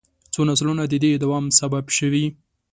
څو نسلونه د دې دوام سبب شوي.